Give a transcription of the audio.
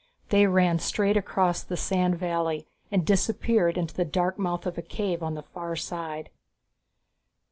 They ran straight across the sandy valley and disappeared into the dark mouth of a cave on the far side.